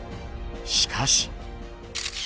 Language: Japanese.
しかし。